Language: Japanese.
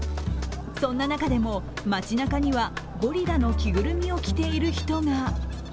そんな中でも街なかにはゴリラの着ぐるみを着ている人が。